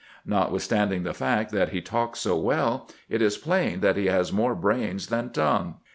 Notwith standing the fact that he talks so well, it is plain that he has more brains than tongue."